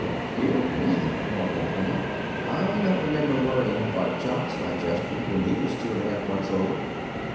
"Dear me!" marveled Emma. "I don't remember worrying about Jock's digestion when he was two and a half months old!"